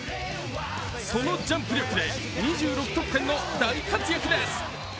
そのジャンプ力で２６得点の大活躍です。